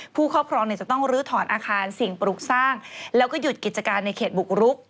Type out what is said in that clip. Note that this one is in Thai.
ครอบครองจะต้องลื้อถอนอาคารสิ่งปลูกสร้างแล้วก็หยุดกิจการในเขตบุกรุก